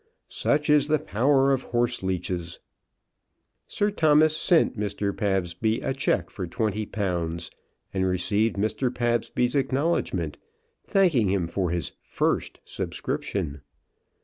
Such is the power of horseleeches. Sir Thomas sent Mr. Pabsby a cheque for twenty pounds, and received Mr. Pabsby's acknowledgment, thanking him for his "first" subscription.